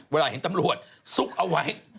เวลาเห็นตำรวจซุกเอาไว้